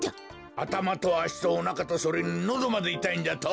あたまとあしとおなかとそれにのどまでいたいんじゃと！？